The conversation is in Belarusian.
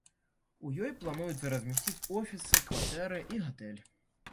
У ёй плануецца размясціць офісы, кватэры і гатэль.